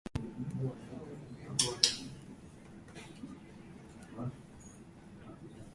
سحری کے وقت شروع ہونے والی بارشوں جل تھل کر دیا